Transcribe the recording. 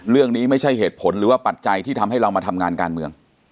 เรื่องนี้ไม่ใช่เหตุผลหรือปัจจัยที่ทำให้เรามาทำงานการเมือง